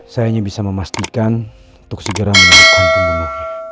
saya hanya bisa memastikan untuk segera menemukan temannya